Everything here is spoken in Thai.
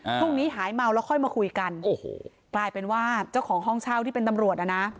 พรุ่งนี้หายเมาแล้วค่อยมาคุยกันโอ้โหกลายเป็นว่าเจ้าของห้องเช่าที่เป็นตำรวจอ่ะนะ